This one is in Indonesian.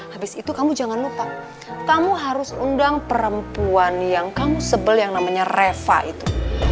habis itu kamu jangan lupa kamu harus undang perempuan yang kamu sebel yang namanya reva itu